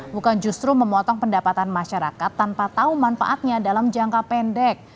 bukan justru memotong pendapatan masyarakat tanpa tahu manfaatnya dalam jangka pendek